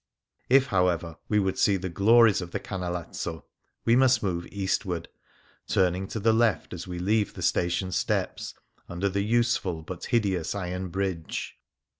If, however, we would see the glories of the Canalazzo, we must move eastward, turning to the left as we leave the station steps, under the useful but hideous iron bridge.